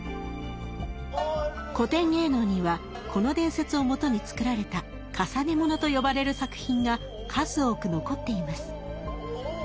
古典芸能にはこの伝説をもとに作られた「累物」と呼ばれる作品が数多く残っています。